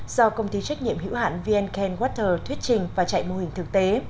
do công ty trách nhiệm hữu hạn vn kenwater thuyết trình và chạy mô hình thực tế